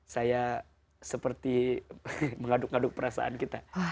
saya seperti mengaduk aduk perasaan kita